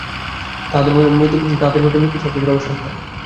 তাঁহাদের মতে মৃত্যুতেই সবকিছুর অবসান হয়।